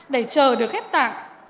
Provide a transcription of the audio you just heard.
để chờ được ghép tạng